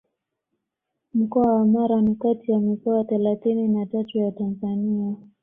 Mkoa wa Mara ni kati ya mikoa thelathini na tatu ya Tanzania